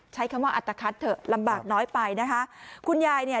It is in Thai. ใช้คำว่าอัตภัทเถอะลำบากน้อยไปนะคะคุณยายเนี่ย